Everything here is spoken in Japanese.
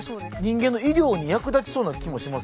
人間の医療に役立ちそうな気もしますよね。